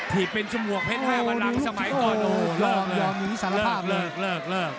ตีบเป็นชมวกเพชรให้ของมันหลังสมัยต่อนตีบอย่างนี้สารภาพเลย